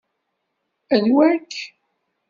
Anwa-k?